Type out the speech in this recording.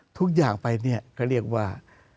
ทุกอย่างไปเนี่ยก็เรียกว่า